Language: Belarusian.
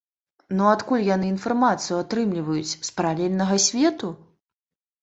Ну адкуль яны інфармацыю атрымліваюць, з паралельнага свету?